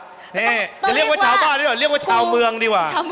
นี่จะเรียกว่าชาวบ้านดีกว่าเรียกว่าชาวเมืองดีกว่า